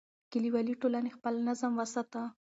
کلیوالي ټولنې خپل نظم وساته.